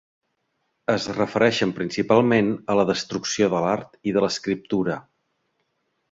Es refereixen principalment a la destrucció de l'art i de l'escriptura.